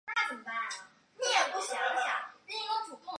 流亡河仙镇的昭最被郑昭视为最大隐患。